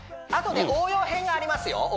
あとで応用編がありますよ